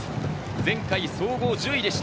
前回総合１０位でした。